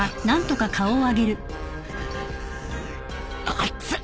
熱っ！